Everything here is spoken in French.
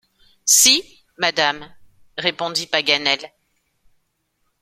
Si, madame, répondit Paganel.